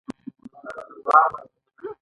هغه له دې ځمکې څخه غنم ترلاسه کوي